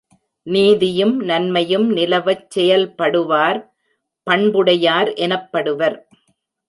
நீதியும் நன்மையும் நிலவச் செயல்படுவார் பண் புடையார் எனப்படுவர்.